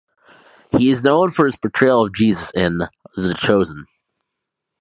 He is known for his portrayal of Jesus in "The Chosen".